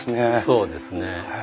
そうですね。